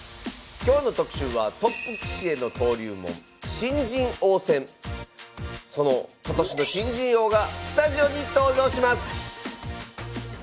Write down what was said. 今日の特集はトップ棋士への登竜門その今年の新人王がスタジオに登場します！